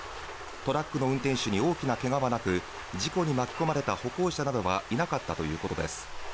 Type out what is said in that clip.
トラックの運転手に大きなけがはなく事故に巻き込まれた歩行者などはいなかったということです。